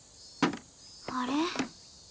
あれ？